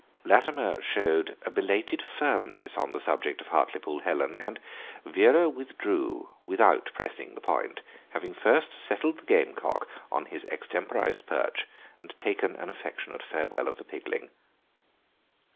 Latimer showed a belated firmness on the subject of Hartlepool Helen, and Vera withdrew without pressing the point, having first settled the gamecock on his extemporised perch and taken an affectionate farewell of the pigling.